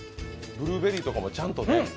ブルーベリーとかもちゃんとね。